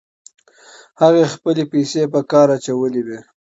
هغې خپلې پیسې په کار اچولې وې.